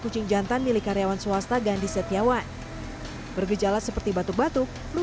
kucing jantan milik karyawan swasta gandhi setiawan bergejala seperti batuk batuk